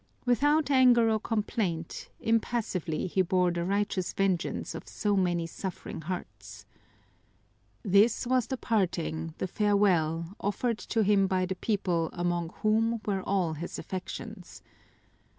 Without anger or complaint, impassively he bore the righteous vengeance of so many suffering hearts. This was the parting, the farewell, offered to him by the people among whom were all his affections.